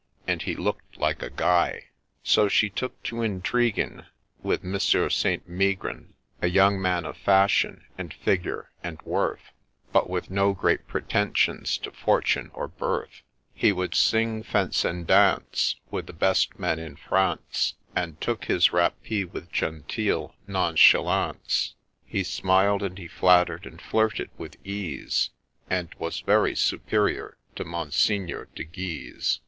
— and he look'd like a Guy,— THE TRAGEDY 173 So she took to intriguing With Monsieur St. Megrin, A young man of fashion, and figure, and worth, But with no great pretensions to fortune or birth ; He would sing, fence, and dance With the best man in France, And took his rappee with genteel nonchalance ; He smiled, and he flatter'd, and flirted with ease, And was very superior to Monseigneur de Guise.